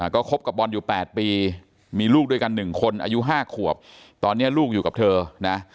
ก็คบกับบอลอยู่๘ปีมีลูกด้วยกัน๑คนอายุ๕ขวบตอนนี้ลูกอยู่กับเธอนะ